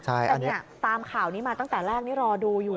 แต่เนี่ยตามข่าวนี้มาตั้งแต่แรกนี่รอดูอยู่